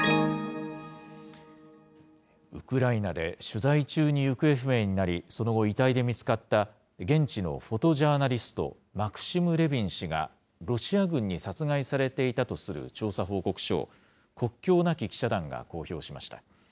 ウクライナで取材中に行方不明になり、その後、遺体で見つかった現地のフォトジャーナリスト、マクシム・レビン氏がロシア軍に殺害されていたとする調査報告書を、国境なき記者団が公表しました。